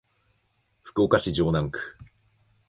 福岡市城南区